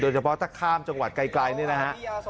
เฉพาะถ้าข้ามจังหวัดไกลนี่นะฮะ